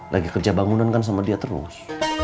lagi kerja bangunan kan sama dia terus